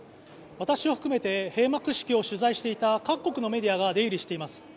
私を含めて閉幕式を取材していた各国のメディアが出入りしています。